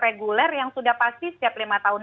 reguler yang sudah pasti setiap lima tahun